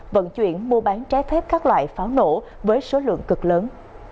vận chuyển mua bán trái phép các loại pháo nổ với số lượng cực lớn